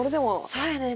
そうやねんな